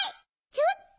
ちょっと！